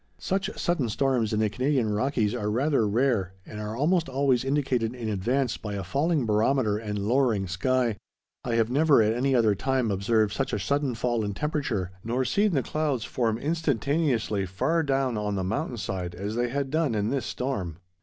Such sudden storms in the Canadian Rockies are rather rare, and are almost always indicated in advance by a falling barometer and lowering sky. I have never at any other time observed such a sudden fall in temperature, nor seen the clouds form instantaneously far down on the mountain side as they had done in this storm.